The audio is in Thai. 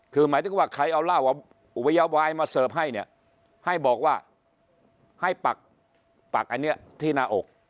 คือหมายถึงว่าใครเอาเหล้าอุบายวายมาเสิร์ฟให้เนี่ยให้บอกว่าให้ปักอันนี้ที่หน้าอก